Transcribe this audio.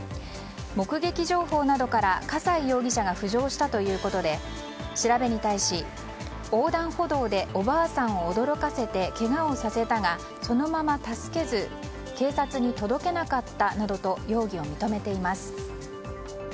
目撃情報などから、笠井容疑者が浮上したということで調べに対し横断歩道でおばあさんを驚かせてけがをさせたがそのまま助けず警察に届けなかったなどと容疑を認めています。